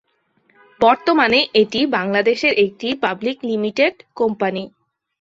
বর্তমানে এটি বাংলাদেশের একটি পাবলিক লিমিটেড কোম্পানি।